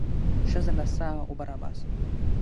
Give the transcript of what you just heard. ښځه له څاه اوبه راباسي.